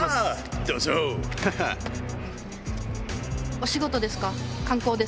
お仕事ですか？